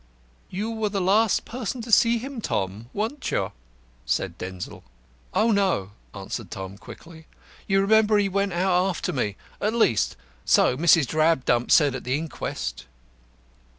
"You were the last person to see him, Tom, weren't you?" said Denzil. "Oh, no," answered Tom, quickly. "You remember he went out after me; at least, so Mrs. Drabdump said at the inquest."